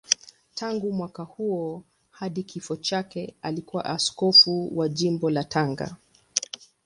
Tangu mwaka huo hadi kifo chake alikuwa askofu wa Jimbo la Tanga.